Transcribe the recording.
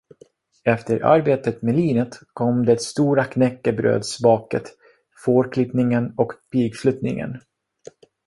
Efter arbetet med linet kom det stora knäckebrödsbaket, fårklippningen och pigflyttningen.